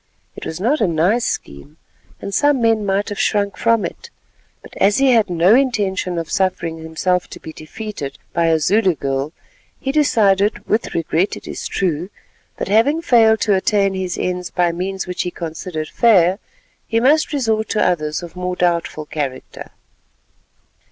It was not a nice scheme, and some men might have shrunk from it, but as he had no intention of suffering himself to be defeated by a Zulu girl, he decided—with regret, it is true—that having failed to attain his ends by means which he considered fair, he must resort to others of more doubtful character.